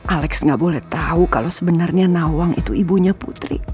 alex gak boleh tau kalo sebenernya nawang itu ibunya putri